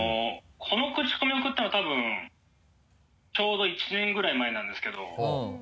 このクチコミを送ったの多分ちょうど１年ぐらい前なんですけど。